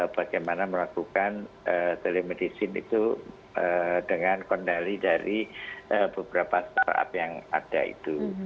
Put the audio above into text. bagaimana melakukan telemedicine itu dengan kondali dari beberapa startup yang ada itu